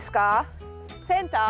センター？